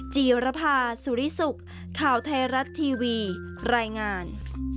จีรภาสุริสุขข่าวไทยรัฐทีวีรายงาน